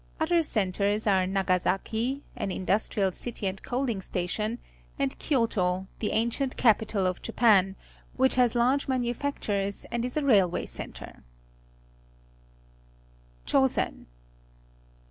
Other centres are 2:iagasaki, an industrial city and coaling station, and Kyoto, the ancient capital of Japan, which has large manufactures and is a railway centre. Chosen.